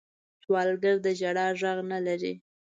سوالګر د ژړا غږ نه لري